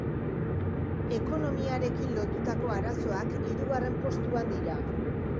Ekonomiarekin lotutako arazoak hirugarren postuan dira.